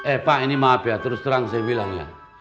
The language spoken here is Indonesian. eh pak ini maaf ya terus terang saya bilang ya